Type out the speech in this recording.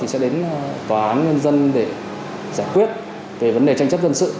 sẽ đến tòa án nhân dân để giải quyết về vấn đề tranh chấp dân sự